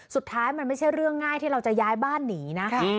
สุดท้ายมันไม่ใช่เรื่องง่ายที่เราจะย้ายบ้านหนีนะคะ